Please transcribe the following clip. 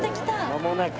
間もなく。